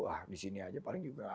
wah di sini aja paling juga